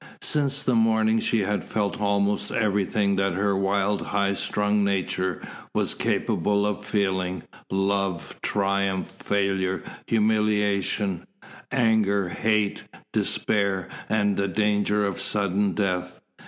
Since the morning she had felt almost everything that her wild, high strung nature was capable of feeling love, triumph, failure, humiliation anger, hate, despair, and danger of sudden death.